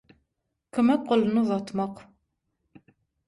kömek goluny uzatmak